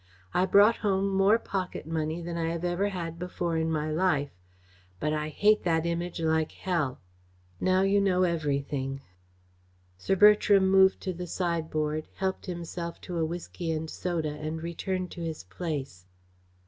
I brought home more pocket money than I ever had before in my life. But I hate that Image like hell. Now you know everything." Sir Bertram moved to the sideboard, helped himself to a whisky and soda, and returned to his place.